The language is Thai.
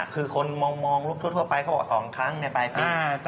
คือคนมองรถทั่วไปเขาบอก๒ครั้งในปลายปี